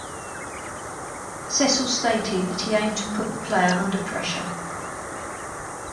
Cecil stated that he aimed to put the player under pressure.